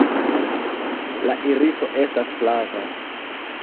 La iriso estas flava.